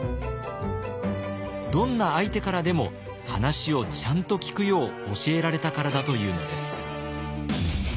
どんな相手からでも話をちゃんと聞くよう教えられたからだというのです。